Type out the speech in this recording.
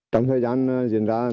trong thời gian dịch bệnh